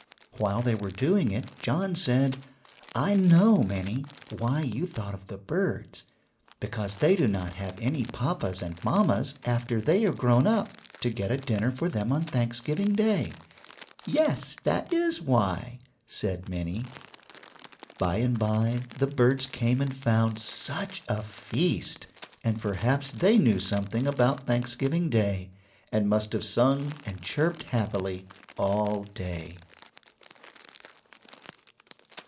While they were doing it, John said, "I know, Minnie, why you thought of the birds: because they do not have any papas and mammas after they are grown up to get a dinner for them on Thanksgiving Day." "Yes, that is why," said Minnie. By and by the birds came and found such a feast, and perhaps they knew something about Thanksgiving Day and must have sung and chirped happily all day.